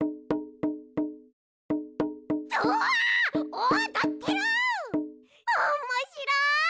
おもしろい！